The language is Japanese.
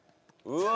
うわ！